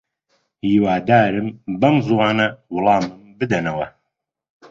هیوادارم بەم زووانە وەڵامم بدەنەوە.